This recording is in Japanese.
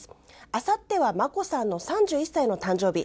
あさっては眞子さんの３１歳の誕生日